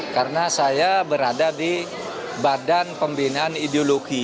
karena saya berada di badan pembinaan ideologi